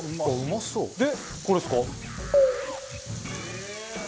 うまそう！